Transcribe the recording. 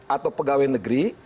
atau pegawai negeri